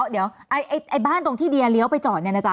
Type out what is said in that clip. เดี๋ยวไอ้บ้านตรงที่เดียเลี้ยวไปจอดเนี่ยนะจ๊